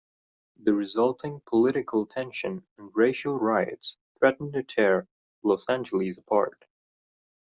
The resulting political tension and racial riots threaten to tear Los Angeles apart.